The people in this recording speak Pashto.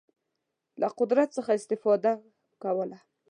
له قدرت څخه استفاده کوله.